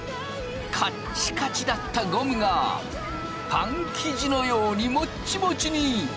カッチカチだったゴムがパン生地のようにモッチモチに。